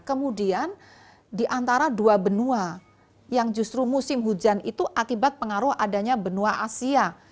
kemudian di antara dua benua yang justru musim hujan itu akibat pengaruh adanya benua asia